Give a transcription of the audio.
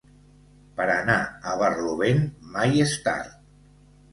Per anar a barlovent, mai és tard.